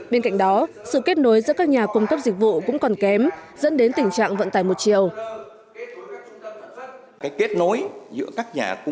bên cạnh đó sự kết nối giữa các nhà cung cấp dịch vụ cũng còn kém dẫn đến tình trạng vận tải một chiều